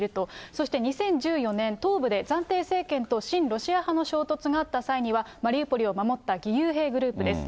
そして２０１４年、東部で暫定政権と、親ロシア派の衝突があった際には、マリウポリを守った義勇兵グループです。